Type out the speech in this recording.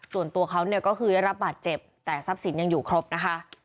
ส่วนตัวเขาเนี่ยก็คือได้รับบาดเจ็บแต่ทรัพย์สินยังอยู่ครบนะคะ